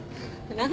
何？